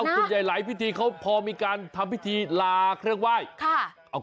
ส่วนใหญ่หลายพิธีเขาพอมีการทำพิธีลาเครื่องไหว้